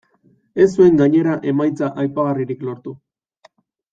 Ez zuen gainera emaitza aipagarririk lortu.